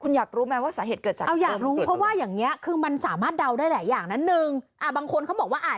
คุณอยากรู้ไม่ว่าสาเหตุเกิดจากเกิดอยากทรมาน